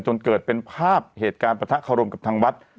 จนเกิดเป็นภาพเหตุการณ์ประทะคารมกับทางวัด